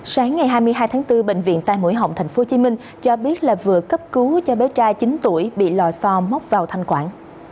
sáng ngày hai mươi hai tháng bốn bệnh viện tai mũi họng tp hcm cho biết là vừa cấp cứu cho bé trai chín tuổi bị lò so móc vào thanh quản